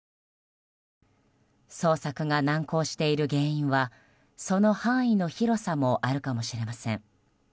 捜索が難航している原因はその範囲の広さもあるかもしれません。